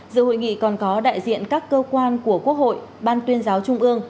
giữa hội nghị còn có đại diện các cơ quan của quốc hội ban tuyên giáo trung ương